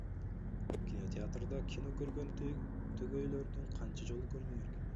Кинотеатрда кино көргөн түгөйлөрдү канча жолу көрдүңөр эле?